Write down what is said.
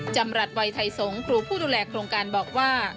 จำรัฐวัยไทยสงศ์ครูผู้ดูแลโครงการบอกว่า